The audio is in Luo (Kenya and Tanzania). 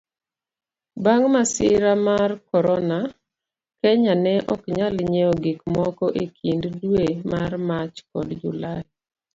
bang' masira marcorona, Kenya ne oknyal nyiewo gikmoko ekind dwe mar Mach kod Julai.